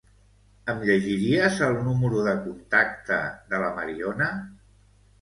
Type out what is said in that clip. Em llegiries el número de contacte de la Mariona?